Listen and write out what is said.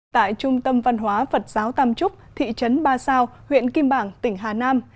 tại trung tâm văn hóa phật giáo tam trúc thị trấn ba sao huyện kim bảng tỉnh hà nam